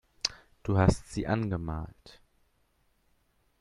Du hast sie angemalt.